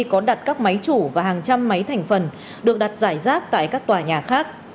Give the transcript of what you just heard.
có đặt các máy chủ và hàng trăm máy thành phần được đặt giải rác tại các tòa nhà khác